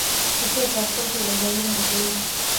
پسه په اختر کې بازارونه ډکوي.